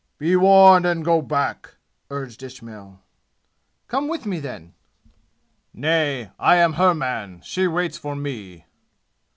"Be warned and go back!" urged Ismail. "Come with me, then." "Nay, I am her man. She waits for me!"